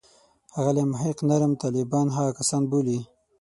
ښاغلی محق نرم طالبان هغه کسان بولي.